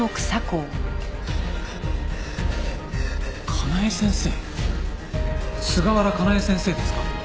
香奈枝先生菅原香奈枝先生ですか？